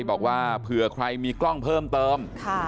บอกว่าเผื่อใครมีกล้องเพิ่มเติม